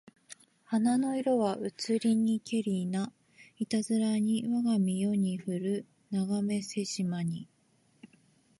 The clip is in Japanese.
花の色はうつりにけりないたづらにわが身世にふるながめせしまに